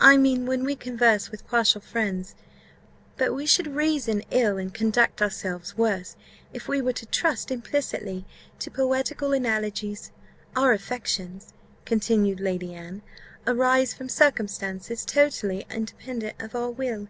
I mean, when we converse with partial friends: but we should reason ill, and conduct ourselves worse, if we were to trust implicitly to poetical analogies. Our affections," continued Lady Anne, "arise from circumstances totally independent of our will."